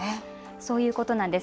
そういうことなんです。